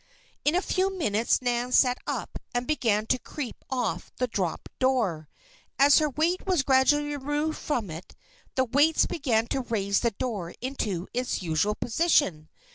In a few minutes Nan sat up and began to creep off the dropped door. As her weight was gradually removed from it, the weights began to raise the door into its usual position.